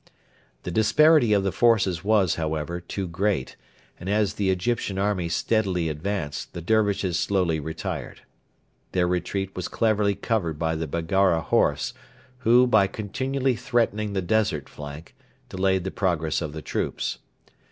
The disparity of the forces was, however, too great; and as the Egyptian army steadily advanced, the Dervishes slowly retired. Their retreat was cleverly covered by the Baggara horse, who, by continually threatening the desert flank, delayed the progress of the troops.